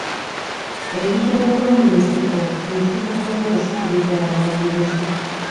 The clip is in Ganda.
Ebisolo byomunsiko nsibuko y'okusikiriza abalambuzi.